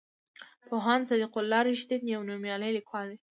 پوهاند صدیق الله رښتین یو نومیالی لیکوال دی.